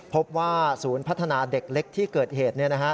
พบว่าศูนย์พัฒนาเด็กเล็กที่เกิดเหตุ